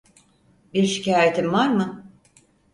Bir şikayetin var mı?